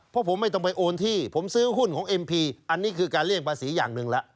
เพราะผมไม่ต้องไปโอนที่ผมซื้อหุ้นของเอ็มพีอันนี้คือการเลี่ยงภาษีอย่างหนึ่งแล้ว